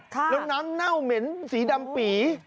แล้วน้ำเน่าเหม็นสีดำปี